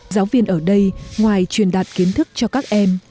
giáo viên ở đây ngoài truyền đạt kiến thức cho các em